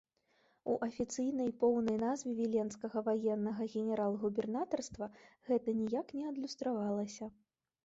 У афіцыйнай поўнай назве віленскага ваеннага генерал-губернатарства гэта ніяк не адлюстравалася.